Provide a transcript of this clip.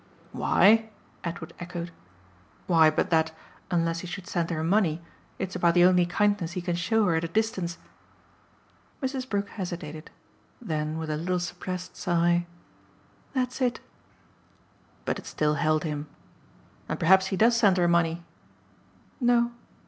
"'Why'?" Edward echoed. "Why but that unless he should send her money it's about the only kindness he can show her at a distance?" Mrs. Brook hesitated; then with a little suppressed sigh: "That's it!" But it still held him. "And perhaps he does send her money." "No.